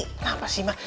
kenapa sih mah